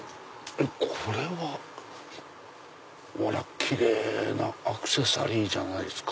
キレイなアクセサリーじゃないですか。